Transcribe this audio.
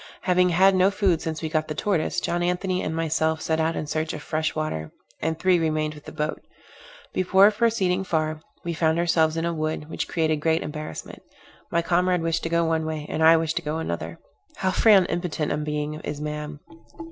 Having had no food since we got the tortoise, John Anthony and myself set out in search of fresh water, and three remained with the boat. Before proceeding far, we found ourselves in a wood, which created great embarrassment. My comrade wished to go one way, and I wished to go another. How frail and impotent a being is man!